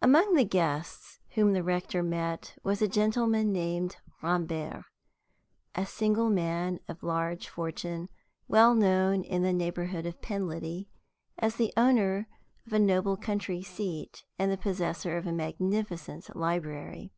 AMONG the guests whom the rector met was a gentleman named Rambert, a single man of large fortune, well known in the neighborhood of Penliddy as the owner of a noble country seat and the possessor of a magnificent library.